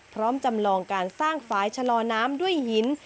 จำลองการสร้างฝ่ายชะลอน้ำด้วยหิน